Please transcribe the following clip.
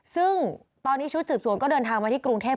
ซึ่งตอนนี้ชุดสืบสวนก็เดินทางมาที่กรุงเทพ